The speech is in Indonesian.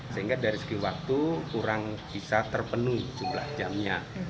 sehingga dari segi waktu kurang bisa terpenuhi jumlah jamnya